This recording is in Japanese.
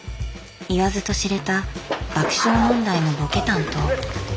言わずと知れた爆笑問題のボケ担当。